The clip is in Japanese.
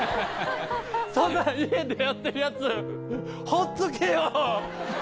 そんなん家でやってるやつほっとけよ！